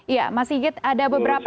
iya mas sigit ada beberapa